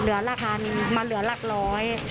เหลือรักพันธุ์มาเหลือรักร้อย